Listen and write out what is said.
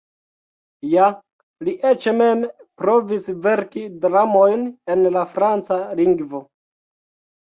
Ja, li eĉ mem provis verki dramojn en la franca lingvo.